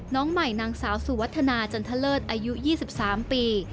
น้องใหม่นางสาวสุวัฒนาจันทะเลิศอายุ๒๓ปี